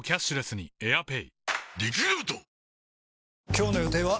今日の予定は？